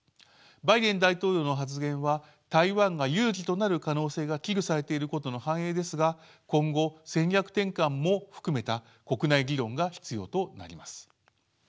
バイデン大統領の発言は台湾が有事となる可能性が危惧されていることの反映ですが今後戦略転換も含めた国内議論が必要となります。